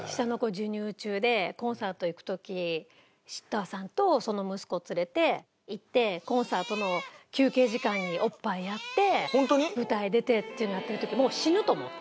コンサート行く時シッターさんとその息子を連れて行ってコンサートの休憩時間におっぱいやって舞台出てっていうのをやってる時もう死ぬと思った。